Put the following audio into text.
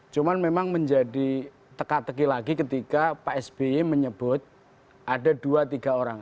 cuma memang menjadi teka teki lagi ketika pak sby menyebut ada dua tiga orang